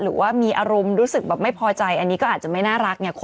หรือว่ามีอารมณ์รู้สึกแบบไม่พอใจอันนี้ก็อาจจะไม่น่ารักไง